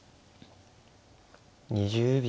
２０秒。